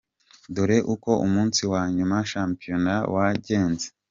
Dore uko umunsi wa nyuma wa shampiyona wagenze:.